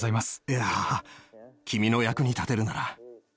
いや君の役に立てるなら。